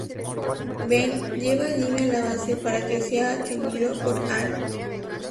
Ben lleva a Jimmy a la base para que sea atendido por Anne.